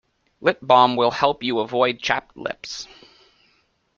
Lip balm will help you avoid chapped lips.